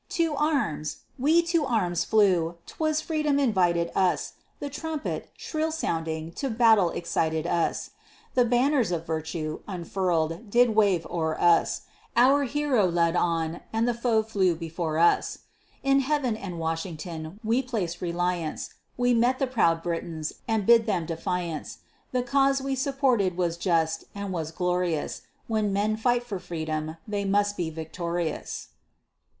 To arms! we to arms flew! 'twas Freedom invited us, The trumpet, shrill sounding, to battle excited us; The banners of virtue, unfurl'd, did wave o'er us, Our hero led on, and the foe flew before us. In Heaven and Washington we placed reliance, We met the proud Britons, and bid them defiance; The cause we supported was just, and was glorious; When men fight for freedom, they must be victorious.